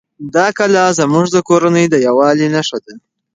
دا کلا زموږ د کورنۍ د یووالي نښه ده.